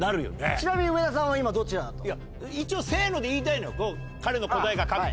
ちなみに上田さんは今どちらだと？一応せので言いたいのよ彼の答えが確定したら。